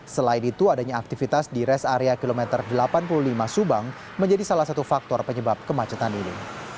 selain itu adanya aktivitas di res area kilometer delapan puluh lima subang menjadi salah satu faktor penyebab kemacetan ini